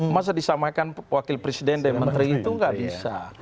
masa disamakan wakil presiden dan menteri itu nggak bisa